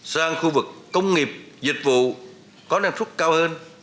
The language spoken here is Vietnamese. sang khu vực công nghiệp dịch vụ có năng suất cao hơn